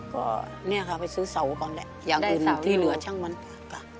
ก็เนี่ยค่ะไปซื้อเสาก่อนแหละอย่างอื่นที่เหลือช่างมัน